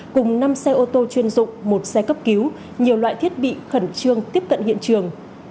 cùng năm xe ô tô chuyên dụng một xe cấp cứu nhiều loại thiết bị khẩn trương tiếp cận hiện trường